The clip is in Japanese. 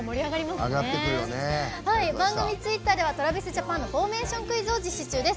番組ツイッターではＴｒａｖｉｓＪａｐａｎのフォーメーションクイズを実施中です。